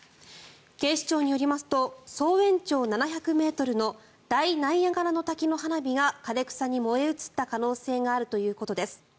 警視庁によりますと総延長７００ｍの大ナイアガラの滝の花火が枯れ草に燃え移った可能性があるということです。